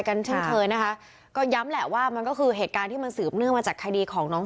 เช่นเคยนะคะก็ย้ำแหละว่ามันก็คือเหตุการณ์ที่มันสืบเนื่องมาจากคดีของน้อง